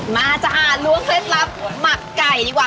มาจ้ะละครับเรียกว่าเคล็ดลับหมักไก่ดีกว่า